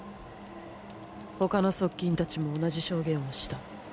他の側近たちも同じ証言をした。